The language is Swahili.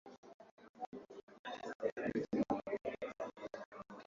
Bebe Cool na Navio walijitangaza kuwa ndiyo matajiri nchini Uganda Chameleone baada kusikia